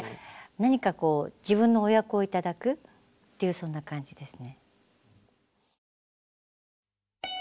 何かこう自分のお役を頂くっていうそんな感じですね。